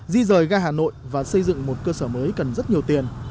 di rời ga hà nội và xây dựng một cơ sở mới cần rất nhiều tiền